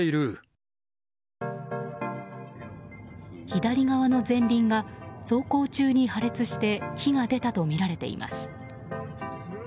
左側の前輪が走行中に破裂して火が出たとみられています。